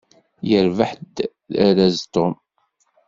Irbeḥ-d araz Tom.